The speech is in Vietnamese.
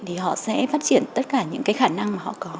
thì họ sẽ phát triển tất cả những cái khả năng mà họ có